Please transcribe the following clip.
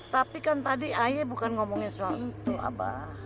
tapi kan tadi aye bukan ngomongin soal itu abah